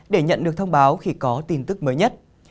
để nhận được thông báo khi có tin tức mới nhất